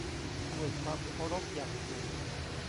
ด้วยความเคารพอย่างสูง